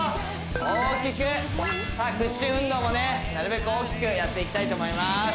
大きくさあ屈伸運動もなるべく大きくやっていきたいと思います